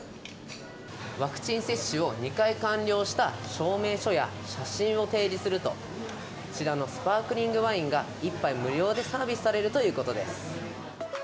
ワクチン接種を２回完了した証明書や写真を提示すると、こちらのスパークリングワインが、１杯無料でサービスされるということです。